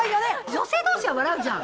女性同士は笑うじゃん。